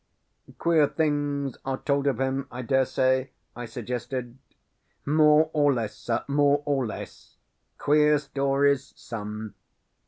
"Queer things are told of him, I dare say?" I suggested. "More or less, sir; more or less. Queer stories, some."